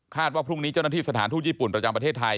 ว่าพรุ่งนี้เจ้าหน้าที่สถานทูตญี่ปุ่นประจำประเทศไทย